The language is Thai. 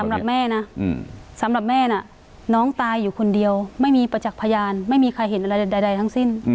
สำหรับแม่นะสำหรับแม่น่ะน้องตายอยู่คนเดียวไม่มีประจักษ์พยานไม่มีใครเห็นอะไรใดทั้งสิ้น